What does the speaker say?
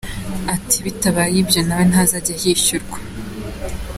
Ati “Bitabaye ibyo nawe ntazajya yishyurwa.